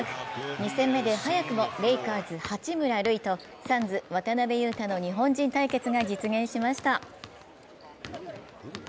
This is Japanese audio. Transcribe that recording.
２戦目で早くもレイカーズ・八村塁とサンズ・渡邊雄太の日本人対決が実現しました。